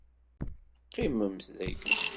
Qqimemt dagi.